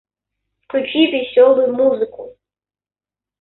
Включи весёлую музыку